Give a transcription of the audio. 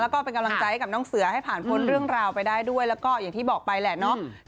แล้วก็เป็นกำลังใจให้กับน้องเสือให้ผ่านพ้นเรื่องราวไปได้ด้วยแล้วก็อย่างที่บอกไปแหละเนาะ